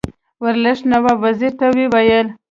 ورلسټ نواب وزیر ته وویل.